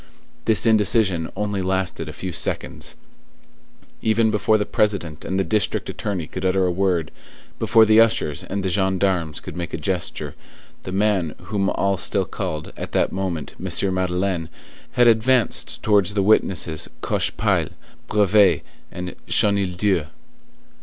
This indecision only lasted a few seconds. Even before the President and the district attorney could utter a word, before the ushers and the gendarmes could make a gesture, the man whom all still called, at that moment, M. Madeleine, had advanced towards the witnesses Cochepaille, Brevet, and Chenildieu.